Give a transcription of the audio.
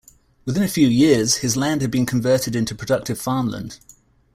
Within a few years, his land had been converted into productive farmland.